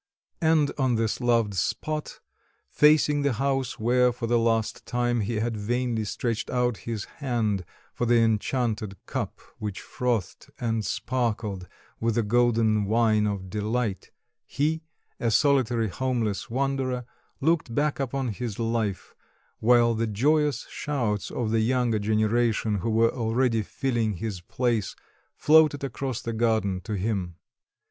And on this loved spot, facing the house where for the last time he had vainly stretched out his hand for the enchanted cup which frothed and sparkled with the golden wine of delight, he, a solitary homeless wanderer, looked back upon his life, while the joyous shouts of the younger generation who were already filling his place floated across the garden to him.